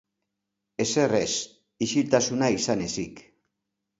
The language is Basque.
Ezer ez, isiltasuna izan ezik.